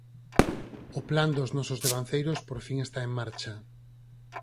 O plan dos nosos devanceiros por fin está en marcha.